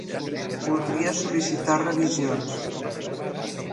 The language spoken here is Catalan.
Voldria sol·licitar revisions.